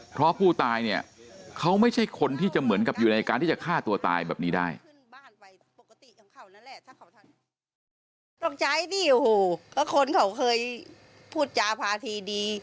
เพราะผู้ตายเนี่ยเขาไม่ใช่คนที่จะเหมือนกับอยู่ในการที่จะฆ่าตัวตายแบบนี้ได้